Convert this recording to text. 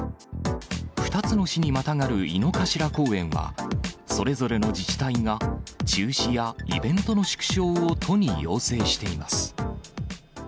２つの市にまたがる井の頭公園は、それぞれの自治体が、中止やイベントの縮小を都に要請しています。